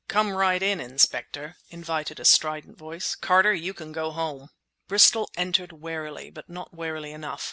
"Come right in, Inspector," invited a strident voice. "Carter, you can go home." Bristol entered warily, but not warily enough.